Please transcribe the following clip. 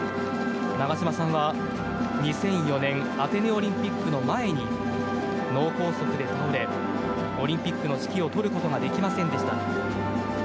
長嶋さんは２００４年アテネオリンピックの前に脳梗塞で倒れオリンピックの指揮を執ることができませんでした。